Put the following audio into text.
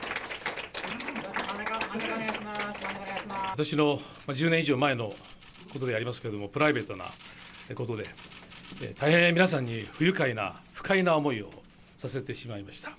私の１０年以上前のことでありますけれども、プライベートなことで大変皆さんに不愉快な、不快な思いをさせてしまいました。